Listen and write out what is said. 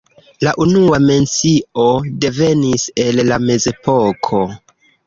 La unua mencio devenis el la mezepoko.